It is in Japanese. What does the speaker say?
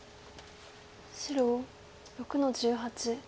白６の十八。